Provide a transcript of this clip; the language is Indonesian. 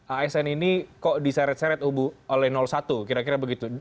asn ini kok diseret seret ubu oleh satu kira kira begitu